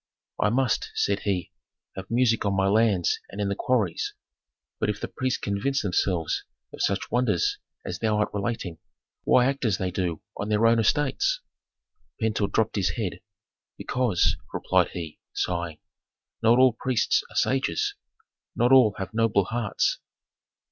"I must," said he, "have music on my lands and in the quarries. But if the priests convince themselves of such wonders as thou art relating, why act as they do on their own estates?" Pentuer dropped his head. "Because," replied he, sighing, "not all priests are sages, not all have noble hearts."